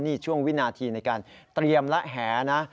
นี่ช่วงวินาทีในการเตรียมและแหนะ